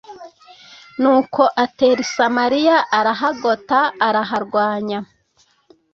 nuko atera i Samariya arahgota, araharwanya